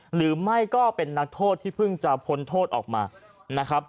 หรือไม่ก็เป็นนักโทษที่เพิ่งจะพ้นโทษออกมานะครับ